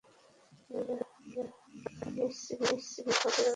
জেলাটি বারাণসী বিভাগের অন্তর্গত।